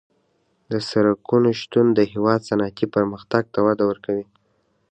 د سرکونو شتون د هېواد صنعتي پرمختګ ته وده ورکوي